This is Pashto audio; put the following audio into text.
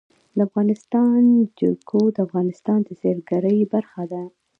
د افغانستان جلکو د افغانستان د سیلګرۍ برخه ده.